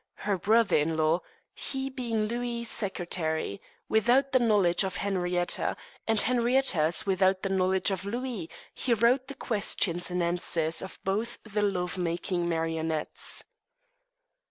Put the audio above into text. her brother in law, he being Louis's secretary, without the knowledge of Henrietta, and Henrietta's without the knowledge of Louis, he wrote the questions and answers of both the love making marionettes.